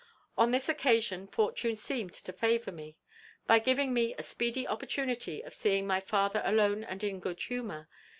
On this occasion fortune seemed to favour me, by giving me a speedy opportunity of seeing my father alone and in good humour.